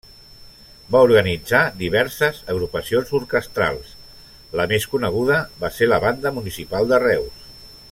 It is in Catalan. Va organitzar diverses agrupacions orquestrals, la més coneguda va ser la Banda Municipal de Reus.